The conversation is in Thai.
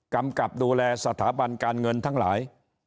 กำกับดูแลสถาบันการเงินทั้งหลาย